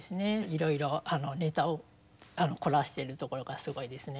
いろいろネタを凝らしているところがすごいですね。